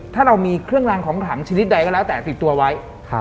ถ้าเรามีเครื่องรางของขังชนิดใดก็แล้วแต่ติดตัวไว้